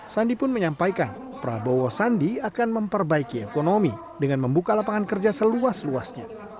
sandi pun menyampaikan prabowo sandi akan memperbaiki ekonomi dengan membuka lapangan kerja seluas luasnya